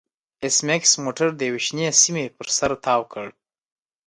ایس میکس موټر د یوې شنې سیمې پر سر تاو کړ